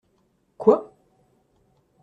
Quoi ?